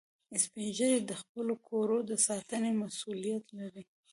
سپین ږیری د خپلو کورو د ساتنې مسؤولیت لري